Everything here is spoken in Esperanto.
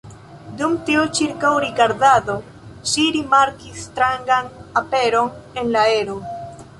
Dum tiu ĉirkaŭrigardado ŝi rimarkis strangan aperon en la aero.